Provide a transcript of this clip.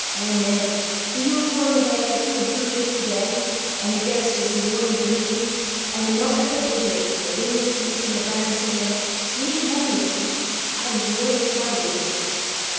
Eh, mem! wi' you afore me there, I see the blew lift again, an' the gerse jist lowin' (flaming) green, an' the nowt at their busiest, the win' asleep, an' the burn sayin', 'Ye need nane o' ye speyk: I'm here, an' it's my business.